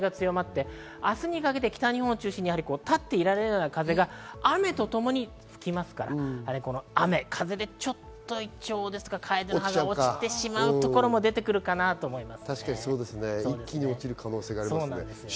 雨が降るまでは南風、降り終わった後は西風、北風が強まって、明日にかけて北日本を中心に立っていられないような風が雨と共に吹きますから雨風でちょっとイチョウですとかカエデの葉が落ちてしまうところも出てくるかなと思います。